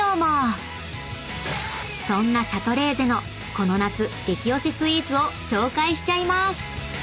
［そんなシャトレーゼのこの夏激推しスイーツを紹介しちゃいます］